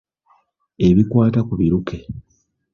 Ebikwata ku biruke.